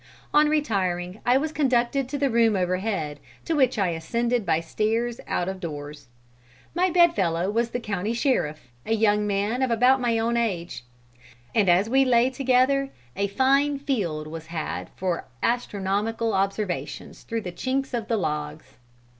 On retiring I was conducted to the room overhead, to which I ascended by stairs out of doors. My bed fellow was the county sheriff, a young man of about my own age. And as we lay together a fine field was had for astronomical observations through the chinks of the logs.